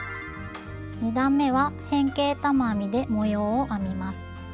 ２段めは変形玉編みで模様を編みます。